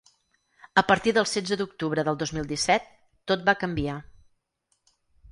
A partir del setze d’octubre del dos mil disset, tot va canviar.